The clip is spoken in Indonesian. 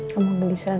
kamu beli serangka